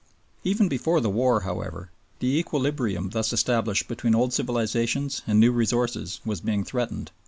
Even before the war, however, the equilibrium thus established between old civilizations and new resources was being threatened.